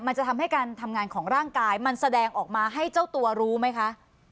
มันจะทำให้การทำงานของร่างกายมันแสดงออกมาให้เจ้าตัวรู้ไหมคะ